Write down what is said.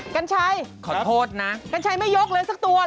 กัญชัยขอโทษนะกัญชัยไม่ยกเลยสักตัว